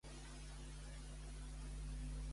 Un cop al mes se celebra la Jordiada.